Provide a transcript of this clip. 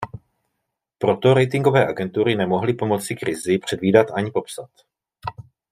Proto ratingové agentury nemohly pomoci krizi předvídat ani popsat.